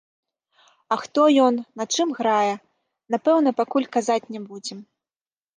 А хто ён, на чым грае, напэўна, пакуль казаць не будзем.